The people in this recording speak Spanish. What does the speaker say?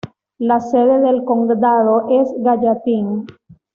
La sede del condado es Gallatin.